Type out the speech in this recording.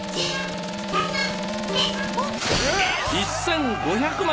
１５００万！